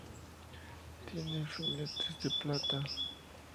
Tiene filetes de plata.